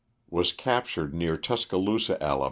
Was cap tured near Tuscaloosa, Ala.